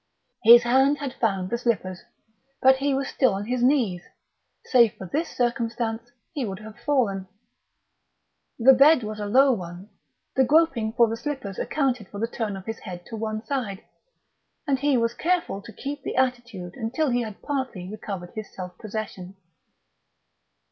His hand had found the slippers, but he was still on his knees; save for this circumstance he would have fallen. The bed was a low one; the groping for the slippers accounted for the turn of his head to one side; and he was careful to keep the attitude until he had partly recovered his self possession.